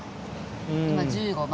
今１５番。